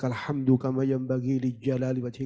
lihat tahu tentang teknologi dan bismotif